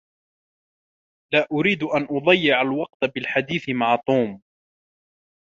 لا أريد أن أضيع الوقت بالحديث مع توم.